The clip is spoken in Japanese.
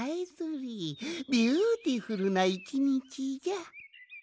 ビューティフルな１にちじゃ。